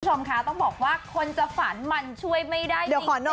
ทุกคนต้องบอกว่าคนจะฝันมันช่วยไม่ได้๙๗๙